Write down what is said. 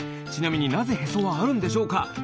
ちなみなぜへそはあるんでしょうか？